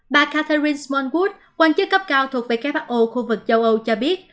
bà catherine smallwood quan chức cấp cao thuộc who khu vực châu âu cho biết